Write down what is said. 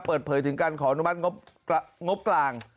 เปิดเผยถึงการขออนุมัติงบกลาง